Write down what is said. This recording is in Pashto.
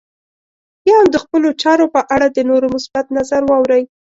يا هم د خپلو چارو په اړه د نورو مثبت نظر واورئ.